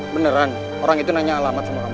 beneran orang itu nanya alamat sama kamu